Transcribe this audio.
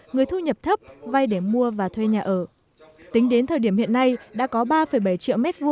người thu nhập thấp vay để mua và thuê nhà ở tính đến thời điểm hiện nay đã có ba bảy triệu m hai